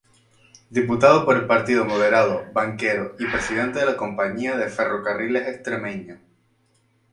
Diputado por el partido moderado, banquero y Presidente de la Compañía de Ferrocarriles Extremeños.